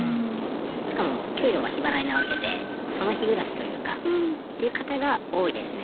しかも給料は日払いなわけでその日暮らしというかという方が多いですね。